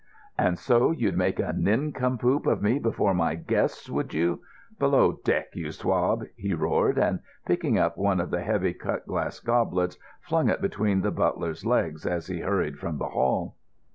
"And so you'd make a nincompoop of me before my guests, would you? Below deck, you swab!" he roared, and, picking up one of the heavy cut glass goblets, flung it between the butler's legs as he hurried from the hall.